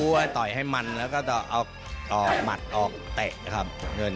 บุ๊คว่าต่อยให้มันแล้วก็ต่อออกหมัดออกเตะครับ